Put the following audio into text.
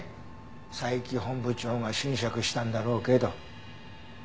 佐伯本部長が斟酌したんだろうけど。